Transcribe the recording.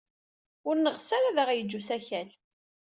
Ur neɣs ara ad aɣ-yeǧǧ usakal.